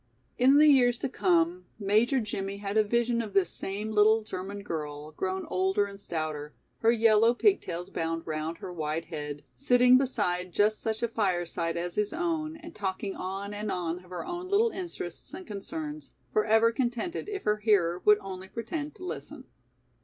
In the years to come, Major Jimmie had a vision of this same little German girl, grown older and stouter, her yellow pigtails bound round her wide head, sitting beside just such a fireside as his own and talking on and on of her own little interests and concerns, forever contented if her hearer would only pretend to listen.